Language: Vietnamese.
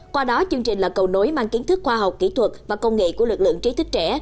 qua đó chương trình là cầu nối mang kiến thức khoa học kỹ thuật và công nghệ của lực lượng trí thức trẻ